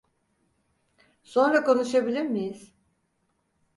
Sonra konuşabilir miyiz?